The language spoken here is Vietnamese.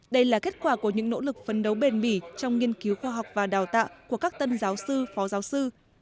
đây là kết quả của những nỗ lực phấn đấu bền bỉ trong nghiên cứu khoa học và đào tạo của các tân giáo sư phó giáo sư